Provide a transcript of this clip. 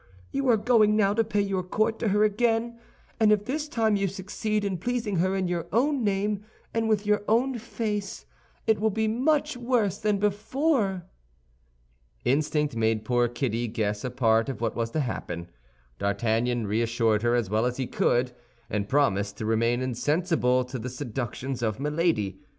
You are going now to pay your court to her again, and if this time you succeed in pleasing her in your own name and with your own face, it will be much worse than before." Instinct made poor Kitty guess a part of what was to happen. D'Artagnan reassured her as well as he could, and promised to remain insensible to the seductions of Milady.